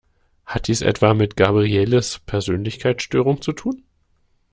Hat dies etwas mit Gabrieles Persönlichkeitsstörung zu tun?